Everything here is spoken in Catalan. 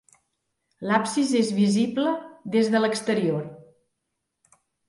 L'absis és visible des de l'exterior.